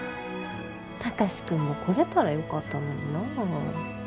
貴司君も来れたらよかったのになあ。